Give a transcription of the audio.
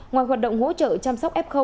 ngoài hoạt động hỗ trợ chăm sóc f